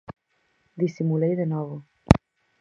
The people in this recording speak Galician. Disimulei de novo.